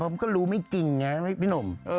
มันก็รู้ไม่จริงไงพี่หนุ่ม